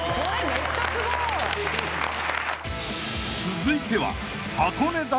［続いては］